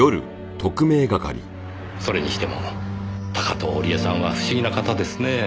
それにしても高塔織絵さんは不思議な方ですねぇ。